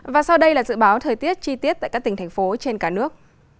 và sau đây là dự báo thời tiết chi tiết tại các tỉnh thành phố trên cả nước